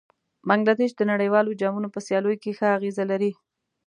بنګله دېش د نړیوالو جامونو په سیالیو کې ښه اغېز لري.